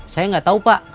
saya gak tau pak